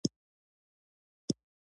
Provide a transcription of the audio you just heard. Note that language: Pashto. غزني د افغانانو ژوند اغېزمن کوي.